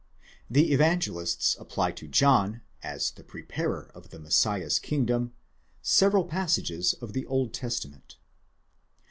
The Evangelists apply to John, as the preparer of the Messiah's kingdom, several passages of the Old Testament.